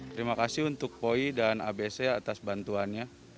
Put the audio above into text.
terima kasih untuk poi dan abc atas bantuannya